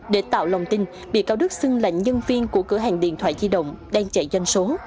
để tạo lòng tin bị cáo đức xưng lệnh nhân viên của cửa hàng điện thoại di động đang chạy doanh số